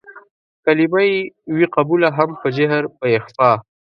کلمه يې وي قبوله هم په جهر په اخفا